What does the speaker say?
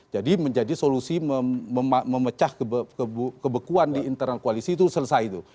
jadi menjadi solusi memecah kebekuan di internal koalisi itu selesai itu